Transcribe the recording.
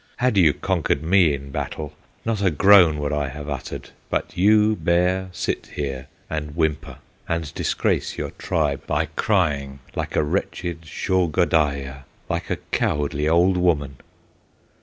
Had you conquered me in battle Not a groan would I have uttered; But you, Bear! sit here and whimper, And disgrace your tribe by crying, Like a wretched Shaugodaya, Like a cowardly old woman!"